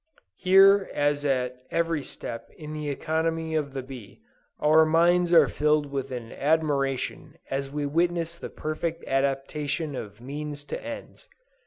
Here as at every step in the economy of the bee our minds are filled with admiration as we witness the perfect adaptation of means to ends.